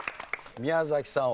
宮崎さん